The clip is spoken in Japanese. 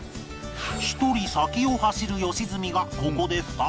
一人先を走る良純がここで再び